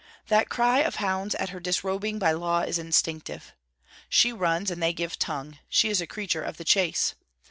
That cry of hounds at her disrobing by Law is instinctive. She runs, and they give tongue; she is a creature of the chase.